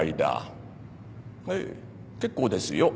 ええ結構ですよ。